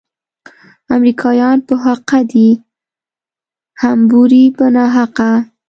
امریکایان په حقه دي، حموربي په ناحقه.